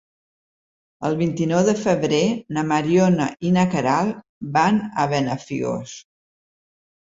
El vint-i-nou de febrer na Mariona i na Queralt van a Benafigos.